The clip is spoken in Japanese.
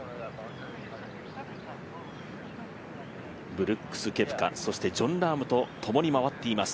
ブルックス・ケプカ、ジョン・ラームと共に回っています。